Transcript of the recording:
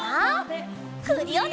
クリオネ！